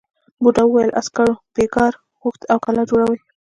بوڊا وویل عسکرو بېگار غوښت او کلا جوړوي.